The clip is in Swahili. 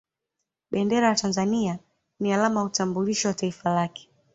Bendera ya Tanzania ni alama ya utambulisho wa Taifa lake